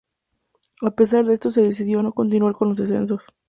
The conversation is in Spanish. A pesar de esto se decidió no continuar con los descensos.